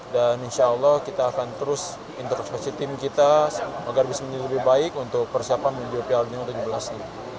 dan insya allah kita akan terus interpresi tim kita agar bisa menjadi lebih baik untuk persiapan menuju piala dunia u tujuh belas